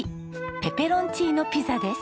ペペロンチーノピザです。